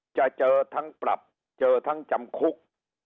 จะเจอทั้งปรับเจอทั้งจำคุก